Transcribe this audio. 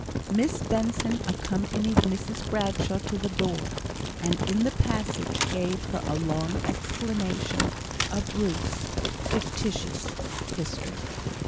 Miss Benson accompanied Mrs Bradshaw to the door; and in the passage gave her a long explanation of Ruth's (fictitious) history.